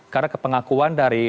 karena kepengakuan dari